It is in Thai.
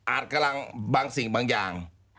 กำลังบางสิ่งบางอย่าง